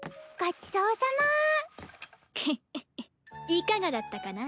いかがだったかな？